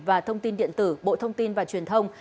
và thông tin điện tử bộ thông tin và truyền thông